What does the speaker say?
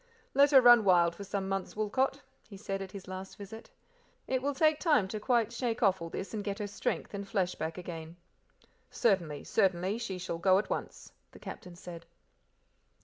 "Let her run wild for some months, Woolcot," he said at his last visit; "it will take time to quite shake off all this and get her strength and flesh back again." "Certainly, certainly; she shall go at once," the Captain said.